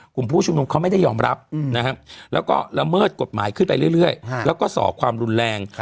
ผู้ชุมนุมเขาไม่ได้ยอมรับแล้วก็ละเมิดกฎหมายขึ้นไปเรื่อยแล้วก็ส่อความรุนแรง